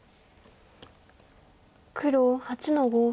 黒８の五。